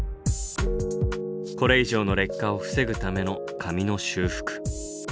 これ以上の劣化を防ぐための紙の修復。